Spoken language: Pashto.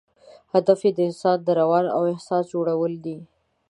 هدف یې د انسان د روان او احساس جوړول دي.